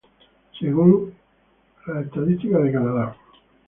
Según Statistics Canada.